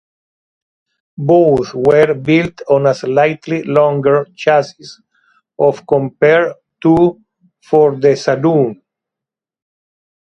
Both were built on a slightly longer chassis of compared to for the saloon.